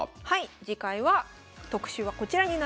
次回は特集はこちらになります。